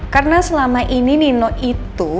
karena selama ini nino itu